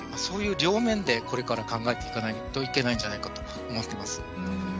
そういう両面でこれから考えていかないといけないんじゃないかと思っています。